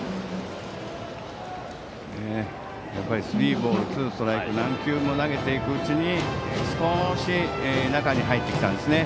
やはりスリーボールツーストライク何球も投げていくうちに少し中に入ってきたんですね。